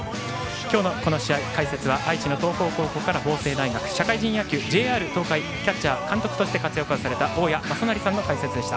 今日のこの試合、解説は愛知の東邦高校から法政大学、社会人野球ＪＲ東海キャッチャー監督として活躍された大矢正成さんの解説でした。